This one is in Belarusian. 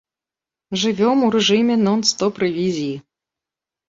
Жывём у рэжыме нон-стоп рэвізіі.